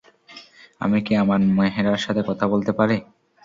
আমি কি আমান মেহরার সাথে কথা বলতে পারি?